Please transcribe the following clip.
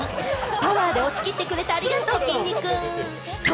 パワー！で押し切ってくれてありがとう。